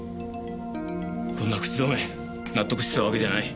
こんな口止め納得してたわけじゃない。